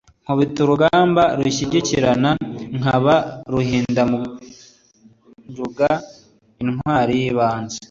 Nkubita urugamba rugishyikirana, nkaba ruhindananjunga intwali y'ibanze.